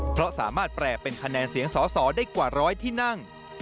เพราะสามารถแปลเป็นคะแนนเสียงสอสอได้กว่าร้อยที่นั่ง